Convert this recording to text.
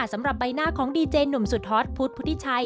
สำหรับใบหน้าของดีเจหนุ่มสุดฮอตพุทธพุทธิชัย